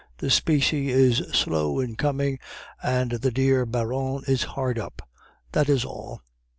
The specie is slow in coming, and the dear Baron is hard up. That is all.